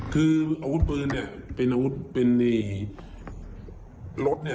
คืออาวุธปืนเป็นอาวุธเป็นในรถ